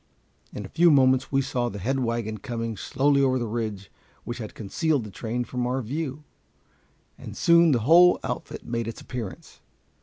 In a few moments we saw the head wagon coming slowly over the ridge which had concealed the train from our view, and soon the whole outfit made its appearance.